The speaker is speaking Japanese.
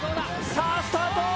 さあスタート。